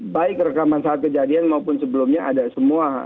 baik rekaman saat kejadian maupun sebelumnya ada semua